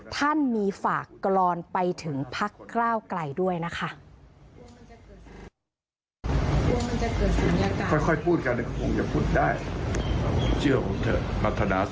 ท่านมีฝากกรอนไปถึงพักก้าวไกลด้วยนะคะ